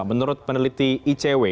menurut peneliti icw